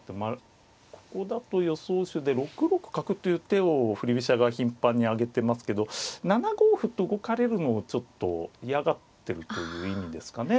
ここだと予想手で６六角という手を振り飛車側頻繁に挙げてますけど７五歩と動かれるのをちょっと嫌がってるという意味ですかね